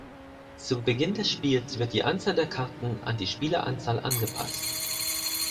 Zu Beginn des Spiels wird die Anzahl der Karten an die Spielerzahl angepasst.